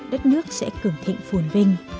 đất nước sẽ cường thịnh phùn vinh